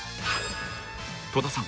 ［戸田さん